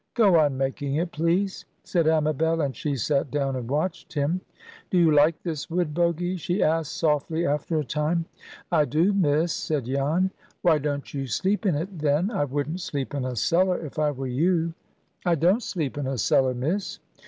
"Go on making it, please," said Amabel; and she sat down and watched him. "Do you like this wood, Bogy?" she asked, softly, after a time. "I do, Miss," said Jan. "Why don't you sleep in it, then? I wouldn't sleep in a cellar, if I were you." "I don't sleep in a cellar, Miss."